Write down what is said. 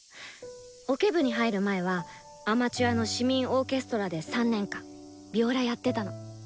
オケ部に入る前はアマチュアの市民オーケストラで３年間ヴィオラやってたの。